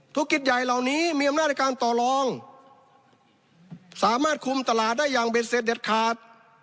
ธุรกิจใหญ่เหล่านี้มีอำนาจในการต่อรองสามารถคุมตลาดได้อย่างเด็ดเสร็จเด็ดขาด